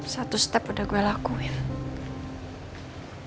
satu step udah gue lakuin